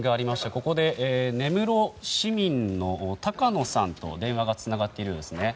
ここで根室市民の高野さんと電話つながっているようですね。